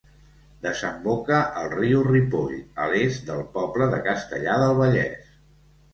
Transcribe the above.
Desemboca al riu Ripoll a l'est del poble de Castellar del Vallès.